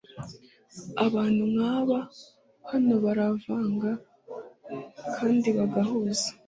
abantu nkaba hano baravanga kandi bagahuza